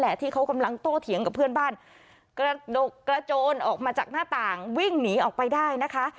ที่เขากำลังโตเถียงกับเพื่อนบ้านกระดกกระโจนออกมาจากหน้าต่างวิ่งหนีออกไปได้นะคะ